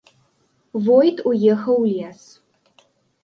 Войт уехаў у лес.